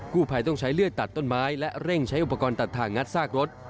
ผู้ภัยต้องใช้เลื่อยตัดต้นไม้และเร่งใช้อุปกรณ์ตัดทางงัดซากรถ